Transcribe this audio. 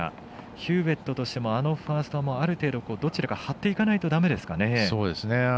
ヒューウェットとしてもあのファーストもある程度、どちらか張っていかないといけないですかね。